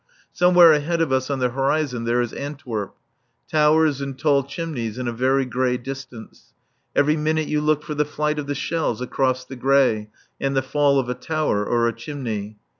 Somewhere ahead of us on the horizon there is Antwerp. Towers and tall chimneys in a very grey distance. Every minute you look for the flight of the shells across the grey and the fall of a tower or a chimney.